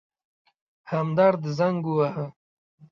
همدرد زنګ وواهه.